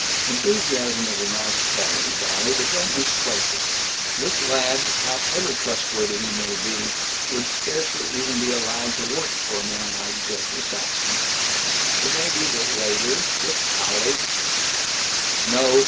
Enthusiasm is a nice quality, dolly, but don't misplace it. This lad, however trustworthy he may be, would scarcely even be allowed to work for a man like Geoffrey Saxton. It may be that later, with college " "No.